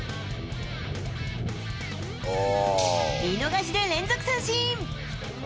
見逃しで連続三振。